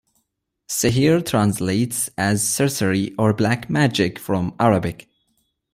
Sihir translates as sorcery or black magic from Arabic.